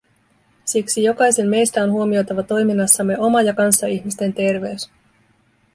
Siksi jokaisen meistä on huomioitava toiminnassamme oma ja kanssaihmisten terveys.